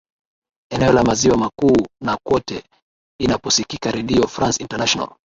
eneo la maziwa makuu na kwote inaposikika redio france international